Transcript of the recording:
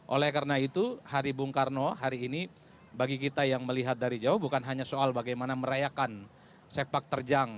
oleh karena itu hari bung karno hari ini bagi kita yang melihat dari jauh bukan hanya soal bagaimana merayakan sepak terjang